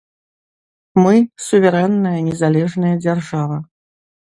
Мы суверэнная незалежная дзяржава.